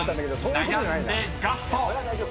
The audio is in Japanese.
悩んでガスト］